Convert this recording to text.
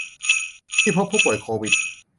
ที่พบผู้ป่วยโควิด